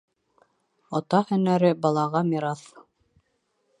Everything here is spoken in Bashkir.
Ата һөнәре балаға мираҫ.